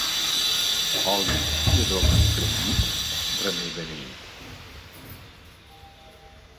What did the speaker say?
Oli i romaní fregit, remei beneït.